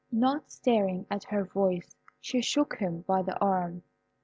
Not stirring at her voice, she shook him by the arm.